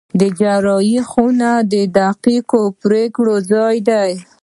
د جراحي خونه د دقیقو پرېکړو ځای دی.